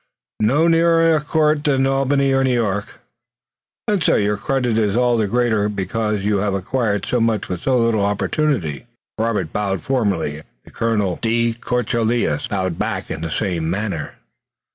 "No nearer a court than Albany or New York." "Then, sir, your credit is all the greater, because you have acquired so much with so little opportunity." Robert bowed formally and Colonel de Courcelles bowed back in the same manner.